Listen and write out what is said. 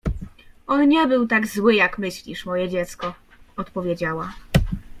— On nie był tak zły, jak myślisz, moje dziecko — odpowiedziała.